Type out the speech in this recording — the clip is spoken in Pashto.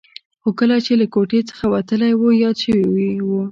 خو کله چې له کوټې څخه وتلی و یاد شوي یې و.